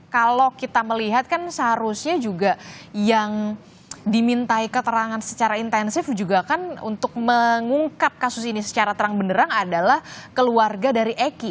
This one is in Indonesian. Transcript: kalau kita melihat kan seharusnya juga yang dimintai keterangan secara intensif juga kan untuk mengungkap kasus ini secara terang benerang adalah keluarga dari eki